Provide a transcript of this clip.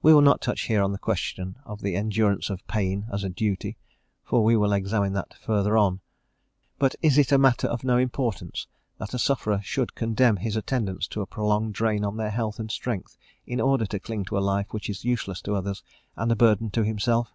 We will not touch here on the question of the endurance of pain as a duty, for we will examine that further on. But is it a matter of no importance that a sufferer should condemn his attendants to a prolonged drain on their health and strength, in order to cling to a life which is useless to others, and a burden to himself?